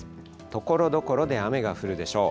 ところどころで雨が降るでしょう。